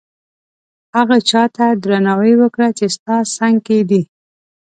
هغه چاته درناوی وکړه چې ستا څنګ کې دي.